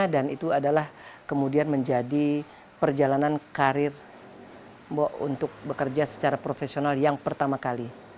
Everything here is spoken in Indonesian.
dan itu adalah kemudian menjadi perjalanan karir mbak untuk bekerja secara profesional yang pertama kali